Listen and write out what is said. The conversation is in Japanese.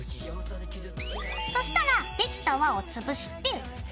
そしたらできた輪をつぶして。